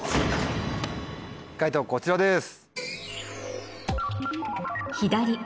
解答こちらです。